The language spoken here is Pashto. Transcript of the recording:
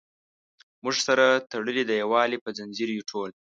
موږ سره تړلي د یووالي په زنځیر یو ټول.